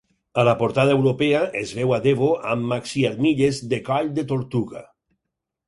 A la portada europea, es veu a Devo amb maxiarmilles de coll de tortuga.